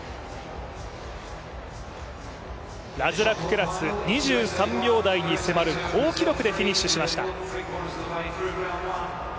ラズラククラス、２３秒台に迫る好記録でフィニッシュしました。